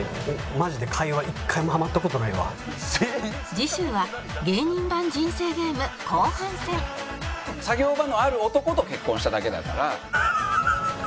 次週は芸人版人生ゲーム後半戦作業場のある男と結婚しただけだから。